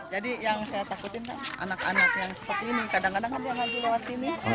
jadi yang saya takutin kan anak anak yang seperti ini kadang kadang kan yang ngaji lewat sini